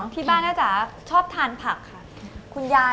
ที่บ้านท่านจ๊ะชอบทานผักค่ะ